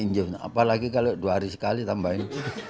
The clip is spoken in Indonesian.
apalagi kalau dua hari sekali tambahin